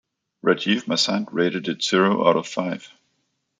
Rajeev Masand rated it zero out of five.